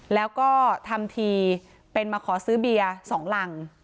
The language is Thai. แล้วก็ทำทีเป็นมาขอซื้อเบียร์๒รัง